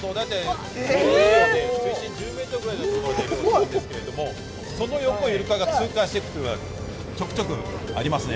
水深１０ｍぐらいのところでやってるんですけどその横をイルカが通過していくというのはちょくちょくありますね。